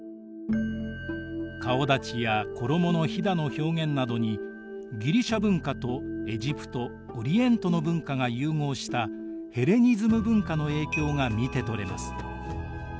顔だちや衣のひだの表現などにギリシア文化とエジプトオリエントの文化が融合したヘレニズム文化の影響が見て取れます。